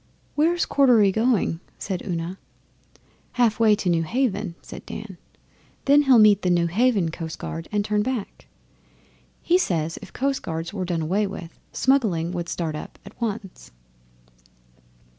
'Where's Cordery going?' said Una. 'Half way to Newhaven,' said Dan. 'Then he'll meet the Newhaven coastguard and turn back. He says if coastguards were done away with, smuggling would start up at once.